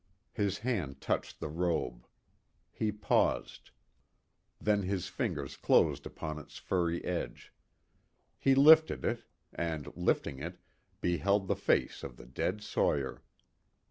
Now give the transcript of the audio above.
His hand touched the robe. He paused. Then his fingers closed upon its furry edge. He lifted it, and lifting it, beheld the face of the dead sawyer.